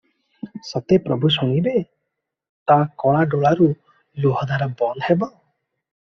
ସତେ ପ୍ରଭୁ ଶୁଣିବେ- ତା କଳା ଡୋଳାରୁ ଲୁହଧାର ବନ୍ଦ ହେବ?